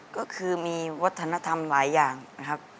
ก็คือมีวัฒนธรรมหลายอย่างนะครับ